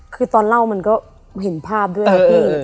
คือตอนเล่ามันก็เห็นภาพด้วยนะพี่